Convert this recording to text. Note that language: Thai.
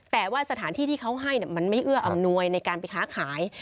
แต่ว่าสถานที่ที่เขาให้มันไม่เอื้ออำนวยในการไปค้าขาย